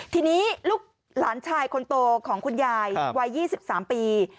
ทีนี้ลูกหลานชายคนโตของคุณยายวัย๒๓ปี